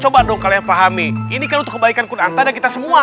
coba dong kalian pahami ini kan kebaikan kunanta dan kita semua